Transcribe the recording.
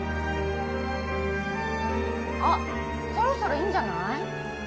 あっそろそろいいんじゃない？